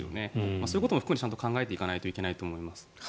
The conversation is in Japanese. そういうことも含めて考えていかないといけないと思います。